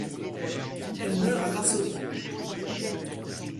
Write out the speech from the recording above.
Elle meurt à Varsovie.